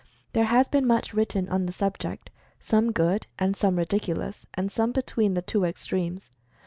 There has been much written on the subject — some good and some ridiculous, and some between the two extremes.